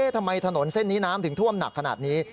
ทำไมถนนเส้นนี้น้ำหนึ่งถ่วมหนักขนาดนี้